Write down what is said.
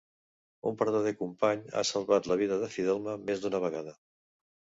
Un vertader company, ha salvat la vida de Fidelma més d'una vegada.